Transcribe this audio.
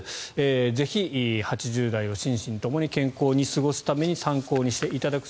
ぜひ８０代を心身ともに健康に過ごすために参考にしていただく。